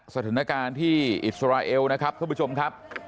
สถานการณ์ที่อิสราเอลนะครับท่านผู้ชมครับ